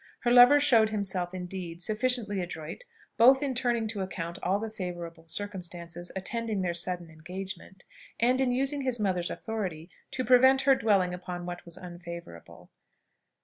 Her lover showed himself, indeed, sufficiently adroit, both in turning to account all the favourable circumstances attending their sudden engagement, and in using his mother's authority to prevent her dwelling upon what was unfavourable.